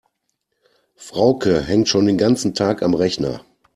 Frauke hängt schon den ganzen Tag am Rechner.